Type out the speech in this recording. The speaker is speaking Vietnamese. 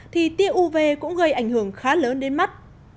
thì tia uv cũng gây ảnh hưởng khá lớn đến mắt